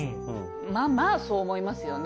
まぁそう思いますよね。